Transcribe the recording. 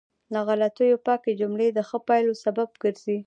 له غلطیو پاکې جملې د ښه پایلو سبب ګرځي.